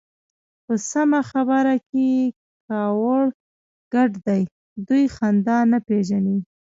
په سمه خبره کې يې کاوړ ګډ دی. دوی خندا نه پېژني.